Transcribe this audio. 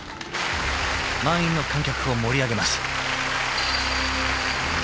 ［満員の観客を盛り上げます］